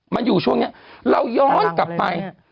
มันอยู่ช่วงนี้เราย้อนกลับไป